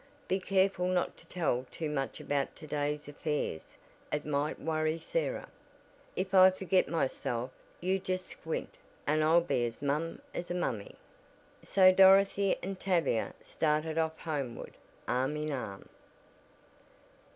Be careful not to tell too much about to day's affairs, It might worry Sarah." "If I forget myself you just squint, and I'll be as mum as a mummy." So Dorothy and Tavia started off homeward, arm in arm.